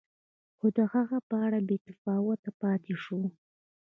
خو د هغه په اړه بې تفاوت پاتې شو.